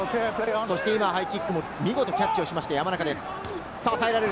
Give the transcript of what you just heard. ハイキック、見事キャッチしました、山中です。